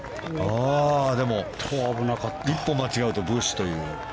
でも、一歩間違うとブッシュという。